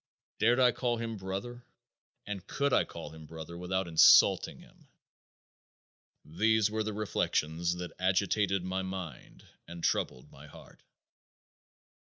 Dared I call him brother? And could I call him brother without insulting him? These were the reflections that agitated my mind and troubled my heart.